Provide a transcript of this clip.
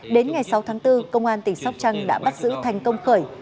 đến ngày sáu tháng bốn công an tỉnh sóc trăng đã bắt giữ thành công khởi